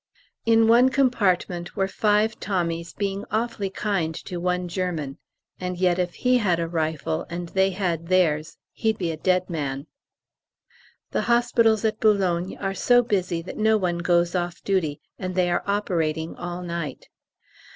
In one compartment were five Tommies being awfully kind to one German; and yet if he had a rifle, and they had theirs, he'd be a dead man. The hospitals at Boulogne are so busy that no one goes off duty, and they are operating all night.